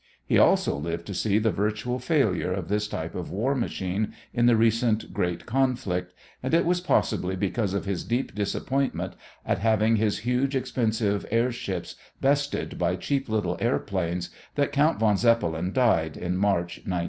He also lived to see the virtual failure of this type of war machine in the recent great conflict, and it was possibly because of his deep disappointment at having his huge expensive airships bested by cheap little airplanes that Count von Zeppelin died in March, 1917.